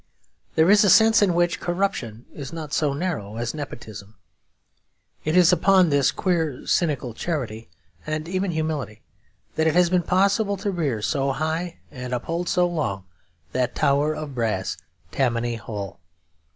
There is a sense in which corruption is not so narrow as nepotism. It is upon this queer cynical charity, and even humility, that it has been possible to rear so high and uphold so long that tower of brass, Tammany Hall.